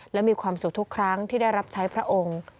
และมีความสุขทุกครั้งที่ได้รับใช้พระองค์